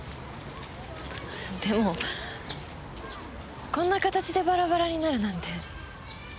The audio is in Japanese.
でもこんな形でバラバラになるなんて。